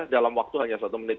dalam waktu hanya satu menit